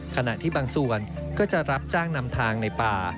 ขณะที่บางส่วนก็จะรับจ้างนำทางในป่า